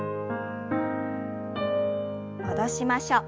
戻しましょう。